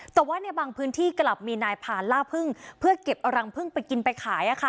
แต่ว่าในบางพื้นที่กลับมีนายผ่านล่าพึ่งเพื่อเก็บเอารังพึ่งไปกินไปขาย